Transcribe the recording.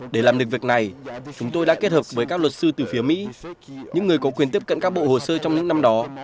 để làm được việc này chúng tôi đã kết hợp với các luật sư từ phía mỹ những người có quyền tiếp cận các bộ hồ sơ trong những năm đó